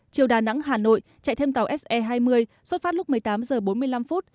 chiều đà nẵng hà nội chạy thêm tàu se hai mươi xuất phát lúc một mươi tám h bốn mươi năm